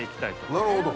なるほど。